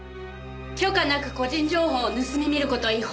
許可なく個人情報を盗み見る事は違法です。